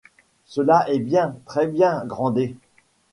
Cela est bien, très bien, Grandet.